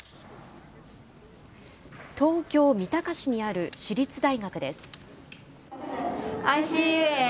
東京・三鷹市にある私立大学です。